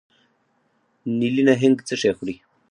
نیلي نهنګ څه شی خوري؟